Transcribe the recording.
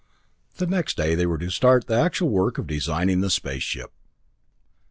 The next day they were to start the actual work of designing the space ship.